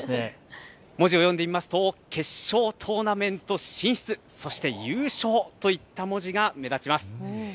文字を読んでみますと、決勝トーナメント進出、そして優勝といった文字が目立ちます。